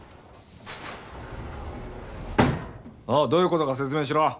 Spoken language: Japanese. おいどういう事か説明しろ。